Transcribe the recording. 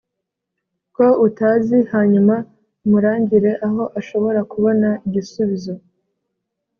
ko utakizi Hanyuma umurangire aho ashobora kubona igisubizo